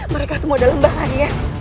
mereka semua dalam bahaya